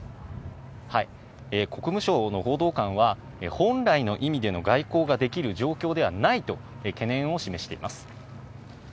国務省の報道官は、本来の意味での外交ができる状況ではないと、懸念を示しています。